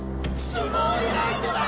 スモールライトだ！